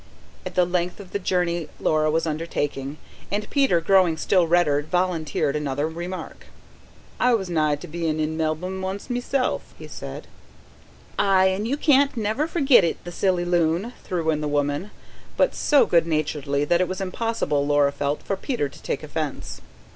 at the length of the journey Laura was undertaking, and Peter, growing still redder, volunteered another remark. "I was nigh to bein' in Melb'm once meself," he said. "Aye, and he can't never forget it, the silly loon," threw in the woman, but so good naturedly that it was impossible, Laura felt, for Peter to take offence.